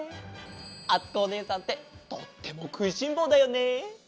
あつこおねえさんってとってもくいしんぼうだよね。